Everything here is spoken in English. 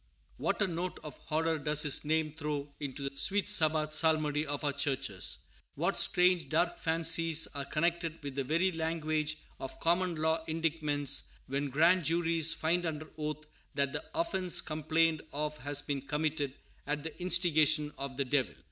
What a note of horror does his name throw into the sweet Sabbath psalmody of our churches. What strange, dark fancies are connected with the very language of common law indictments, when grand juries find under oath that the offence complained of has been committed "at the instigation of the Devil"!